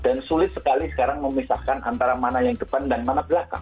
dan sulit sekali sekarang memisahkan antara mana yang depan dan mana yang belakang